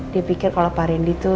dia pikir kalau pak randy tuh